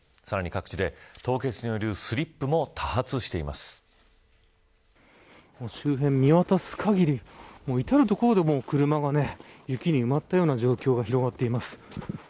さらに各地で凍結による周辺、見渡す限り至る所で車が雪に埋まったような状況が広がっています。